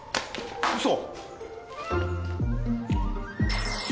嘘。